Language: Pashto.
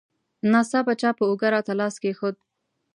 ناڅاپه چا په اوږه راته لاس کېښود.